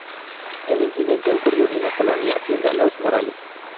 El incidente ocurrió en la colonia Hacienda Los Morales.